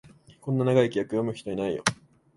こんな長い規約、読む人いないよ